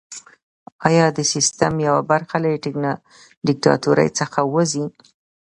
ایا د سیستم یوه برخه له دیکتاتورۍ څخه وځي؟